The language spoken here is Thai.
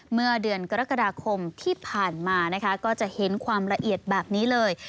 เมื่อเดือนกรกฎาคมที่ผ่านมานะคะก็จะเห็นความละเอียดแบบนี้เลย